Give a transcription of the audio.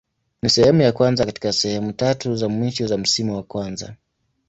Ni sehemu ya kwanza katika sehemu tatu za mwisho za msimu wa kwanza.